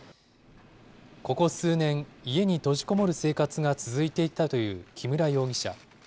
ここ数年、家に閉じこもる生活が続いていたという木村容疑者。